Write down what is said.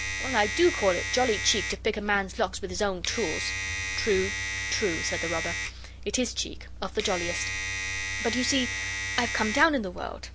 Well, I do call it jolly cheek to pick a man's locks with his own tools!' 'True, true,' said the robber. 'It is cheek, of the jolliest! But you see I've come down in the world.